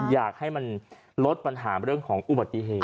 อยากให้มันลดปัญหาเรื่องของอุบัติเหตุ